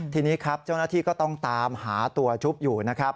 ทีนี้ครับเจ้าหน้าที่ก็ต้องตามหาตัวจุ๊บอยู่นะครับ